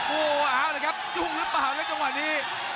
โอ้ยอ้าวนะครับยุ่งรึเปล่าในจังหวัดนี้